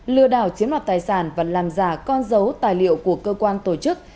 lừa đảo chiếm lọt tài sản vẫn làm giả con dấu tài liệu của cơ quan tổ chức